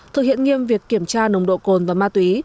thực hiện nghiêm việc kiểm tra nồng độ cồn và ma túy